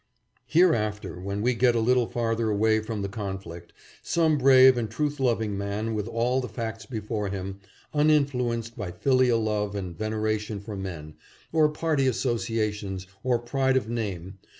Hereafter, when we get a little farther away from the conflict, some brave and truth loving man, with all the facts before him, uninfluenced by filial love and venera tion for men, or party associations, or pride of name.